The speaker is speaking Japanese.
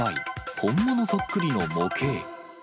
本物そっくりの模型。